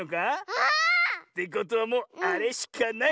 あ！ってことはもうあれしかない。